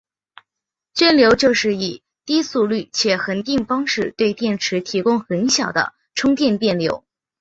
涓流就是以低速率且恒定方式对电池提供很小的充电电流。